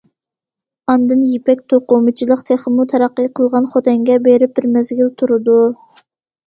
ئاندىن يىپەك توقۇمىچىلىق تېخىمۇ تەرەققىي قىلغان خوتەنگە بېرىپ بىر مەزگىل تۇرىدۇ.